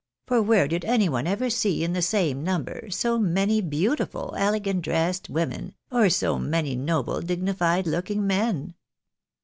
For where did any one ever see in the same number, so many beautiful, elegant dressed women, or so many noble, dignified looking men